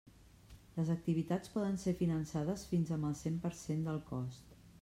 Les activitats poden ser finançades fins amb el cent per cent del cost.